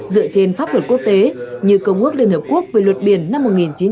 dựa trên pháp luật quốc tế như công ước liên hợp quốc về luật biển năm một nghìn chín trăm tám mươi hai